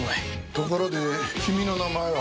ところで君の名前は？